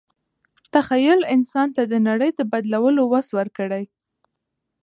تخیل انسان ته د نړۍ د بدلولو وس ورکړی.